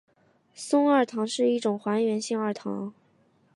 松二糖是一种还原性二糖。